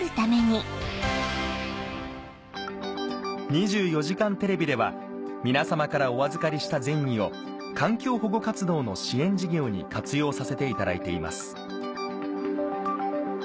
『２４時間テレビ』では皆さまからお預かりした善意を環境保護活動の支援事業に活用させていただいています